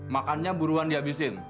makannya buruan dihabisin